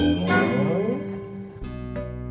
gak ada apa apa